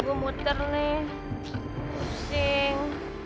gue muter nih pusing